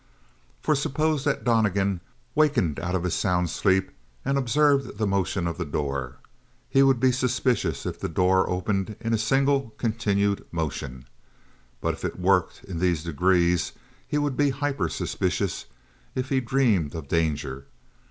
For suppose that Donnegan wakened out of his sound sleep and observed the motion of the door; he would be suspicious if the door opened in a single continued motion; but if it worked in these degrees he would be hypersuspicious if he dreamed of danger.